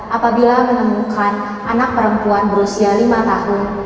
apabila menemukan anak perempuan berusia lima tahun